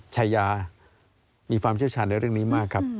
ชายามีความเชี่ยวชาญในเรื่องนี้มากครับ